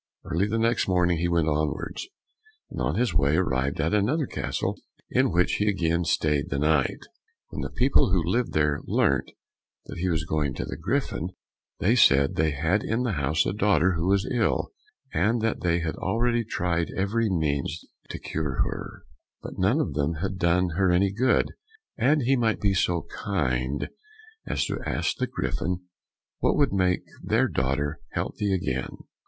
Early the next morning he went onwards, and on his way arrived at another castle in which he again stayed the night. When the people who lived there learnt that he was going to the Griffin, they said they had in the house a daughter who was ill, and that they had already tried every means to cure her, but none of them had done her any good, and he might be so kind as to ask the Griffin what would make their daughter healthy again?